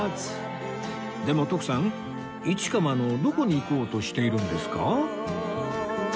でも徳さん市川のどこに行こうとしているんですか？